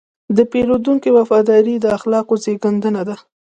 د پیرودونکي وفاداري د اخلاقو زېږنده ده.